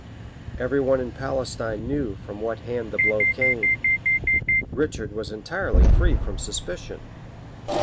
] Every one in Palestine knew from what hand the blow came. Richard was entirely free from suspicion.